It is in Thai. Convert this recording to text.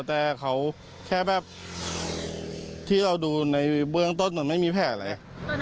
แต่เขาแค่แบบที่เราดูในเบื้องต้นมันไม่มีแผลอะไร